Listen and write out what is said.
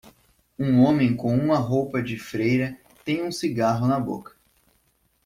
Um homem com uma roupa de freira tem um cigarro na boca.